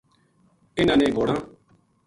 اِنھاں نے گھوڑاں